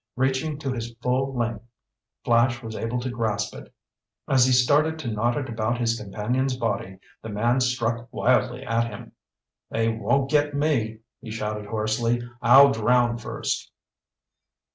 Reaching to his full length, Flash was able to grasp it. As he started to knot it about his companion's body, the man struck wildly at him. "They won't get me!" he shouted hoarsely. "I'll drown first!"